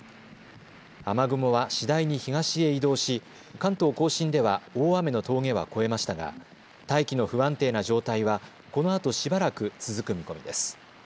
雨雲は次第に東へ移動し関東甲信では大雨の峠は越えましたが大気の不安定な状態はこのあとしばらく続く見込みです。